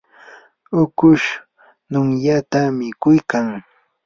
ukush numyata mikuykan.